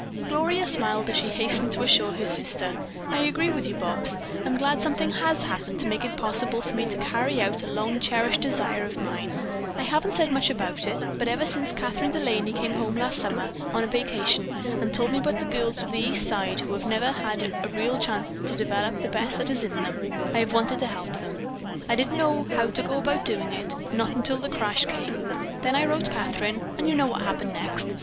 Gloria smiled as she hastened to assure her sister: "I agree with you, Bobs. I'm glad something has happened to make it possible for me to carry out a long cherished desire of mine. I haven't said much about it, but ever since Kathryn De Laney came home last summer on a vacation and told me about the girls of the East Side who have never had a real chance to develop the best that is in them, I have wanted to help them. I didn't know how to go about doing it, not until the crash came. Then I wrote Kathryn, and you know what happened next.